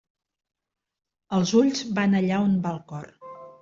Els ulls van allà on va el cor.